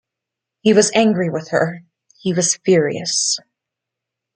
He was angry with her; he was furious.